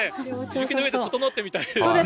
雪の上でととのってみたいですよね。